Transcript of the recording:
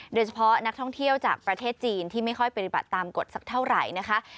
โดยเฉพาะนักท่องเที่ยวจากประเทศจีนที่ไม่ค่อยปฏิบัติตามกฎสักเท่าไหร่นะคะ